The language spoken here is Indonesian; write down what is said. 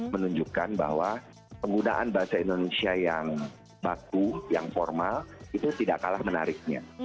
menunjukkan bahwa penggunaan bahasa indonesia yang baku yang formal itu tidak kalah menariknya